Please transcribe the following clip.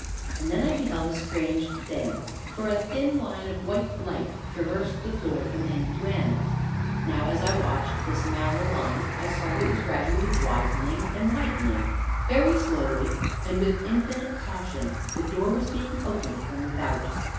And then I beheld a strange thing, for a thin line of white light traversed the floor from end to end. Now, as I watched this narrow line, I saw that it was gradually widening and widening; very slowly, and with infinite caution, the door was being opened from without.